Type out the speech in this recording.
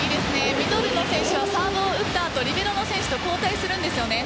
ミドルの選手はサーブを打った後リベロ選手と交代するんです。